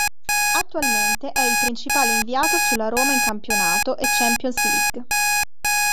Attualmente è il principale inviato sulla Roma in campionato e Champions League.